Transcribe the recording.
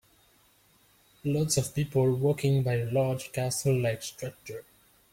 Lots of people walking by a large castle like structure.